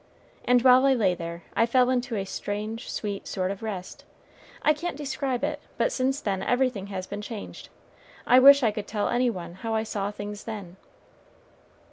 And while I lay there, I fell into a strange, sweet sort of rest. I can't describe it; but since then everything has been changed. I wish I could tell any one how I saw things then."